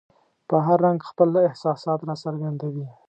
په هر رنګ خپل احساسات څرګندوي.